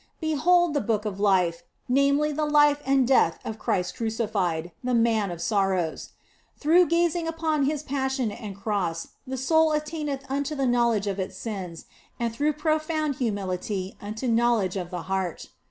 Behold the Book of OF FOLIGNO 95 Life, namely, the life and death of Christ crucified, the Man of Sorrows ; through gazing upon His Passion and Cross the soul attaineth unto the knowledge of its sins, and through profound humility unto knowledge of the heart.